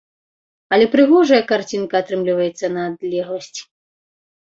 Але прыгожая карцінка атрымліваецца на адлегласці.